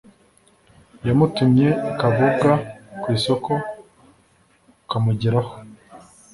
,Yamutumye akaboga ku isoko kamugeraho